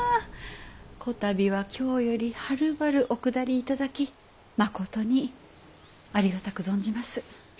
こたびは京よりはるばるお下り頂きまことにありがたく存じます。